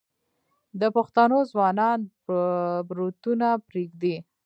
د پښتنو ځوانان بروتونه پریږدي.